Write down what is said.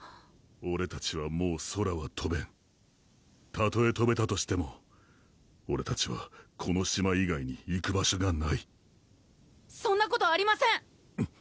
オレたちはもう空はとべんたとえとべたとしてもオレたちはこの島以外に行く場所がないそんなことありません！